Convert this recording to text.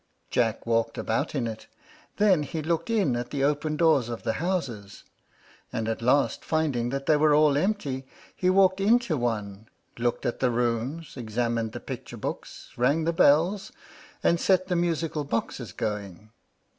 Jack walked about in it. Then he looked in at the open doors of the houses, and at last, finding that they were all empty, he walked into one, looked at the rooms, examined the picture books, rang the bells, and set the musical boxes going.